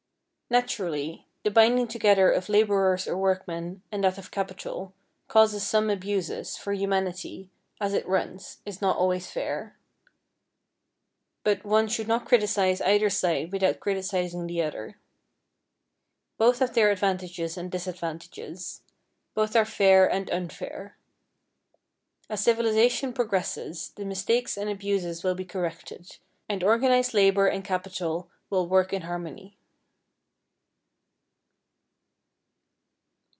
Naturally, the binding together of laborers or workmen, and that of capital, causes some abuses, for humanity, as it runs, is not always fair; but one should not criticise either side without criticising the other. Both have their advantages and disadvantages, both are fair and unfair. As civilization progresses, the mistakes and abuses will be corrected, and organized labor and capital will work in harmony.